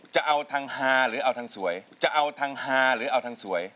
จะเอาทางฮาหรือเอาทางสวย